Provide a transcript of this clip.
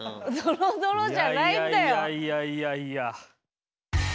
いやいやいやいやいや。